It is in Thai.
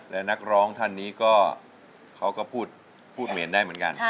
และนักร้องท่านนี้ก็เขาก็พูดเหม็นได้เหมือนกัน